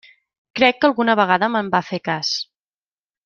Crec que alguna vegada me'n va fer cas.